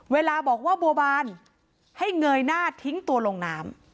เวลาบอกว่าบัวบานให้เงยหน้าทิ้งตัวลงน้ำ